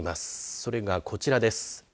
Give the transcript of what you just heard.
それがこちらです。